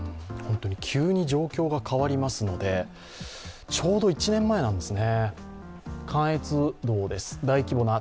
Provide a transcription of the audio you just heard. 急に状況が変わりますのでちょうど１年前なんですね。